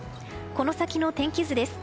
この先の天気図です。